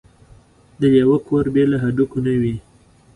ـ د لېوه کور بې له هډوکو نه وي.